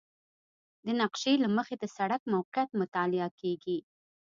د نقشې له مخې د سړک موقعیت مطالعه کیږي